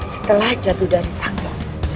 setelah jatuh dari tangga